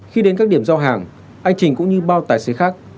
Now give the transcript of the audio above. khi đến các điểm giao hàng anh trình cũng như bao tài xế khác